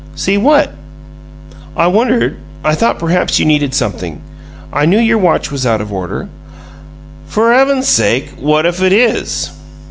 "See what?" "I wondered I thought perhaps you needed something. I knew your watch was out of order " "F'r 'evan's sake what if it is?"